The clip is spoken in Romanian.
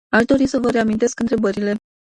Aș dori doar să vă reamintesc întrebările.